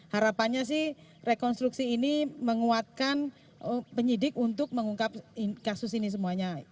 harapannya sih rekonstruksi ini menguatkan penyidik untuk mengungkap kasus ini semuanya